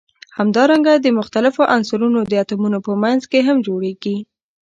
همدارنګه د مختلفو عنصرونو د اتومونو په منځ کې هم جوړیږي.